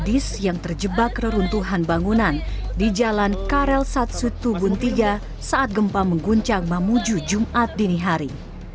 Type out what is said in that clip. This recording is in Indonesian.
gadis yang terjebak reruntuhan bangunan di jalan karel satsutu buntiga saat gempa mengguncang memuju jumat dini hari